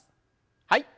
はい。